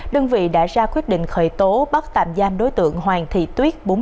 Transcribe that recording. đơn vị đã ra quyết định khởi tố bắt tạm giam đối tượng hoàng thị tuyết